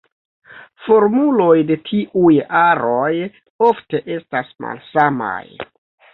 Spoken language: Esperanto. Formuloj de tiuj aroj ofte estas malsamaj.